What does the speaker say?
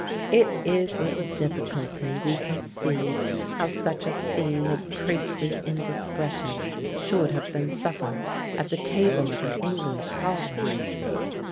" It is with difficulty we conceive how such a scene of priestly indiscretion should have been suffered at the table of an English sovereign.